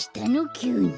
きゅうに。